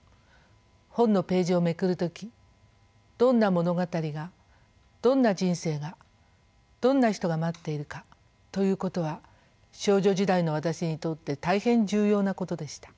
本のページをめくる時どんな物語がどんな人生がどんな人が待っているかということは少女時代の私にとって大変重要なことでした。